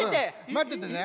まっててね。